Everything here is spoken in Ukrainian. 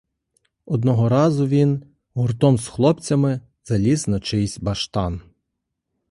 Одного разу він, гуртом з хлопцями, заліз на чийсь баштан.